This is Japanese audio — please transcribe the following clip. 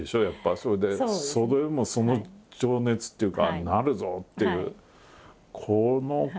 それでそれでもその情熱っていうかなるぞ！っていうこの根拠。